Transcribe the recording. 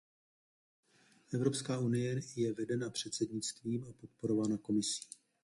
Evropská unie je vedena předsednictvím a podporována Komisí.